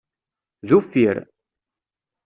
D uffir.